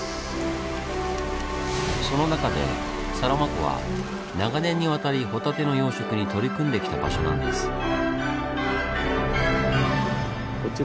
その中でサロマ湖は長年にわたりホタテの養殖に取り組んできた場所なんです。